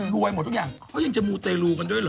รวยหมดทุกอย่างเขายังจะมูเตลูกันด้วยเหรอ